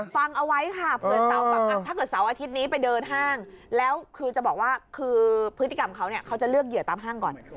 ฟังเอาไว้ค่ะเผื่อเสาแบบถ้าเกิดเสาร์อาทิตย์นี้ไปเดินห้างแล้วคือจะบอกว่าคือพฤติกรรมเขาเนี่ยเขาจะเลือกเหยื่อตามห้างก่อน